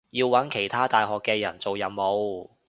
要搵其他大學嘅人做任務